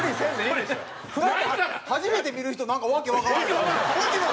初めて見る人訳わからん。